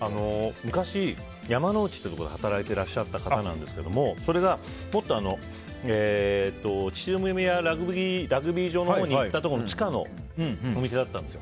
昔、山之内というところで働いていらしたんですがそれがもっと秩父宮ラグビー場のほうに行ったところの地下のお店だったんです。